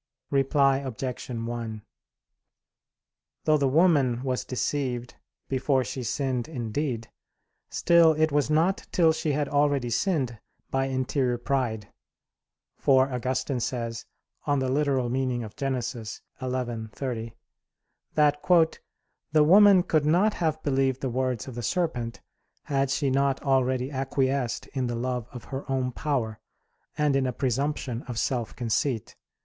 Reply Obj. 1: Though the woman was deceived before she sinned in deed, still it was not till she had already sinned by interior pride. For Augustine says (Gen. ad lit. xi, 30) that "the woman could not have believed the words of the serpent, had she not already acquiesced in the love of her own power, and in a presumption of self conceit."